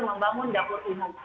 membangun dapur umum